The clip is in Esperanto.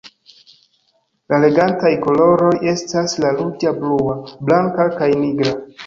La regantaj koloroj estas la ruĝa, blua, blanka kaj nigra.